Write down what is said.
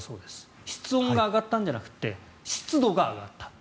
気温が上がったんじゃなくて湿度が上がった。